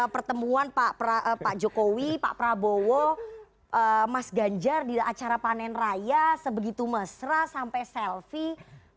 pertemuan pak jokowi pak prabowo mas ganjar di acara panen raya sebegitu mesra sampai selfie